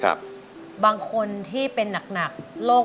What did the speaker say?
อเรนนี่คือเหตุการณ์เริ่มต้นหลอนช่วงแรกแล้วมีอะไรอีก